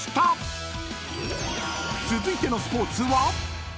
［続いてのスポーツは？］